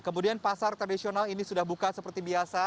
kemudian pasar tradisional ini sudah buka seperti biasa